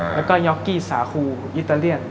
และก็ยอกกี้สาธิโครอีตาเลียน